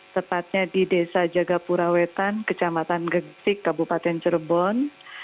tepatnya di desa jagapura wetan kecamatan gengsik kabupaten cirebon